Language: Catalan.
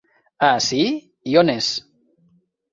Ah, sí? I on és?